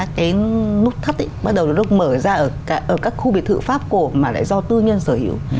cái nút thắt bắt đầu được mở ra ở các khu biệt thự pháp cổ mà lại do tư nhân sở hữu